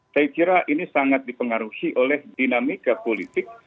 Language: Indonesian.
saya kira ini sangat dipengaruhi oleh dinamika politik